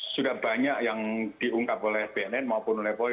sudah banyak yang diungkap oleh bnn maupun oleh polri